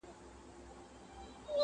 باز دي کم شهباز دي کم خدنګ دی کم٫